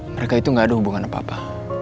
mereka itu gak ada hubungan apa apa